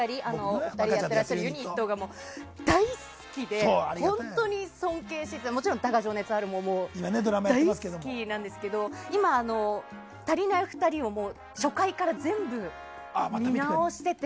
お二人がやってらっしゃるユニットが大好きでして本当に尊敬していてもちろん「だが、情熱はある」も大好きなんですけど今、「たりないふたり」を初回から全部見直してて。